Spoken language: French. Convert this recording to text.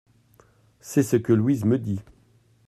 C’est ce que Louise me dit.